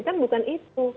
kan bukan itu